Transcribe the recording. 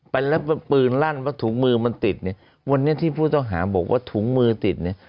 ไปแล้วปืนลั่นว่าถุงมือมันติดเนี่ยวันนี้ที่ผู้ต้องหาบอกว่าถุงมือติดเนี่ย